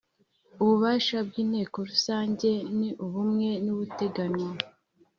Ububasha bw Inteko Rusange ni bumwe n ubuteganywa